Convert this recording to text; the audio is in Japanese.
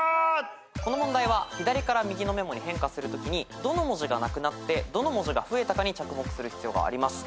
この問題は左から右のメモに変化するときにどの文字がなくなってどの文字が増えたかに着目する必要があります。